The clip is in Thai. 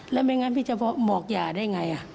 แล้วไม่งั้นพี่จะบอกอย่าได้อย่างไร